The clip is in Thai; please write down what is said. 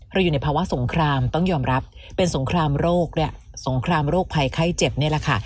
อยู่ในภาวะสงครามต้องยอมรับเป็นสงครามโรคเนี่ยสงครามโรคภัยไข้เจ็บนี่แหละค่ะ